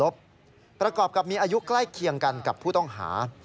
ประกอบกับมีอายุใกล้เคียงกันกับผู้ต้องหา